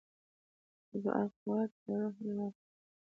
د دعا قوت د روح لوړتیا سبب دی.